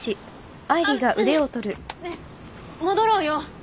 ねえ戻ろうよ。